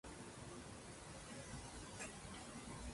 Hairspray Live!